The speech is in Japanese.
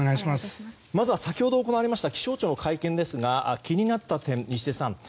まずは先ほど行われました気象庁の会見ですが気になった点、西出さん。